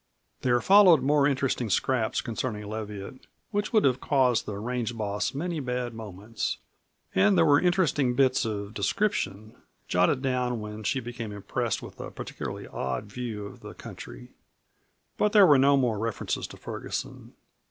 There followed more interesting scraps concerning Leviatt, which would have caused the range boss many bad moments. And there were interesting bits of description jotted down when she became impressed with a particularly odd view of the country. But there were no more references to Ferguson.